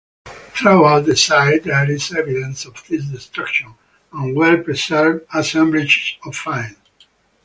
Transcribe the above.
Throughout the site there is evidence of this destruction, and well-preserved assemblages of finds.